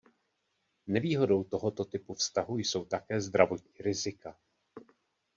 Nevýhodou tohoto typu vztahu jsou také zdravotní rizika.